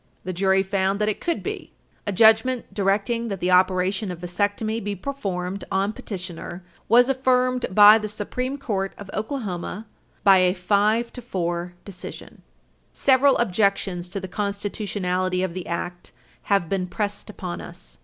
The jury found that it could be. A judgment directing that the operation of vasectomy be performed on petitioner was affirmed by the Supreme Court of Oklahoma by a five to four decision. 189 Okla. 235, 115 P.2d 123. Several objections to the constitutionality of the Act have been pressed upon us.